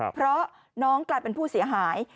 เพราะน้องกลายเป็นผู้เสียหาย